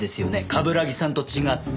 冠城さんと違って。